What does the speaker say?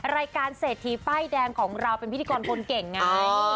รายการเศรษฐีป้ายแดงของเราเป็นพิธีกรคนเก่งไง